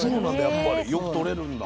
やっぱりよくとれるんだ。